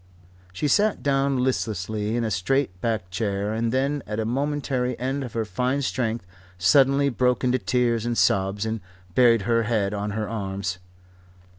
She sat down listlessly in a straight backed chair, and then, at a momentary end of her fine strength suddenly broke into tears and sobs and buried her head on her arms.